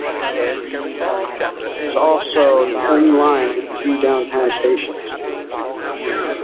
It is also the only line with two downtown stations.